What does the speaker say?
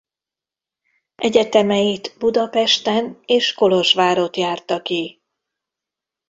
Egyetemeit Budapesten és Kolozsvárott járta ki.